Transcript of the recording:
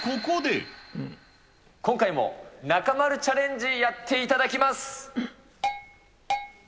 今回も、中丸チャレンジやっていただきます。